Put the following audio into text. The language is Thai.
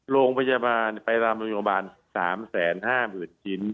โรงพยาบาลไปตามโรงพยาบาลสามแสนห้าหมื่นชิ้น